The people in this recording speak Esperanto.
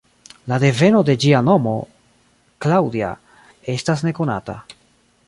La deveno de ĝia nomo, ""Claudia"", estas nekonata.